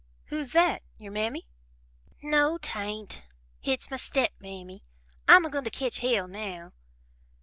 "Who's that your Mammy?" "No, 'tain't hit's my step mammy. I'm a goin' to ketch hell now."